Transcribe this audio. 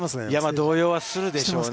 動揺はするでしょうね。